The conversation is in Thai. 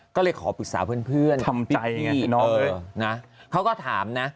ก็เลยขอปรึกษาเพื่อนเพื่อนทำใจอย่างเงี้ยน้องเลยนะเขาก็ถามนะ